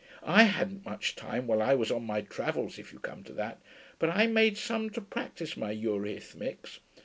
I hadn't much time while I was on my travels, if you come to that. But I made some to practise my eurhythmics.